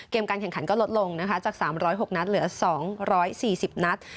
การแข่งขันก็ลดลงนะคะจาก๓๐๖นัดเหลือ๒๔๐นัด